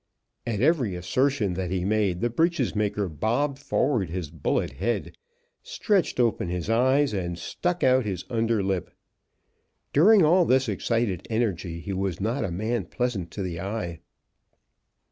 At every assertion that he made, the breeches maker bobbed forward his bullet head, stretched open his eyes, and stuck out his under lip. During all this excited energy, he was not a man pleasant to the eye.